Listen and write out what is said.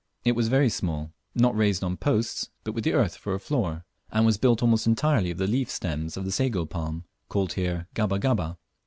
It was very small, not raised on posts, but with the earth for a floor, and was built almost entirely of the leaf stems of the sago palm, called here "gaba gaba."